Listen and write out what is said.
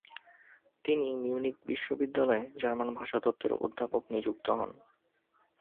তিনি মিউনিখ বিশ্ববিদ্যালয়ে জার্মান ভাষাতত্ত্বের অধ্যাপক নিযুক্ত হন।